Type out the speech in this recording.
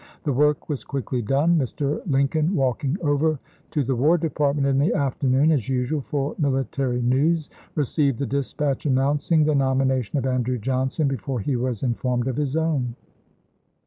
The work was quickly done. Mr. Lincoln, walking over to the War Department in the afternoon, as usual, for military news, received the dispatch announcing the nomination of Andrew Johnson before he was informed of his own.